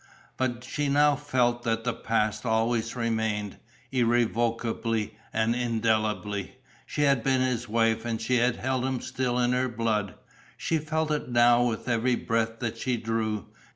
But she now felt that the past always remained, irrevocably and indelibly. She had been his wife and she held him still in her blood. She felt it now with every breath that she drew.